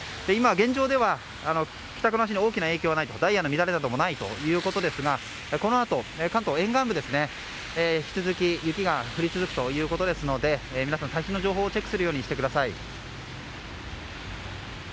今、現状では帰宅の足に大きな影響はなくダイヤの乱れなどもないということですがこのあと、関東沿岸部で引き続き雪が降り続くということですので皆さん、最新の情報をチェックするようにしてください。